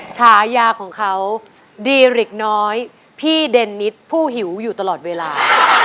ฉายาของเขาดีริกน้อยพี่เดนนิสผู้หิวอยู่ตลอดเวลา